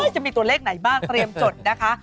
จะมีตัวเลขไหนบ้างเตรียมจดนะคะ